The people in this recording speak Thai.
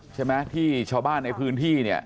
ใช่ไหมที่ชาวบ้านในพื้นที่เนี่ย